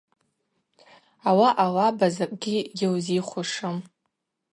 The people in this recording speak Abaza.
Ауаъа лаба закӏгьи гьылзихушым.